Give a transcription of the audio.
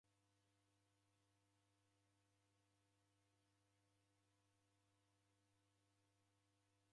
Dasow'a vindo na ni isidiweni dadeka